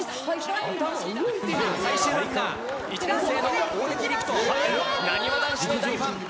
最終ランナー、１年生の大貫陸斗、なにわ男子の大ファン。